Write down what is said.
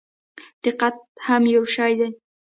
دقت هم یو شی دی.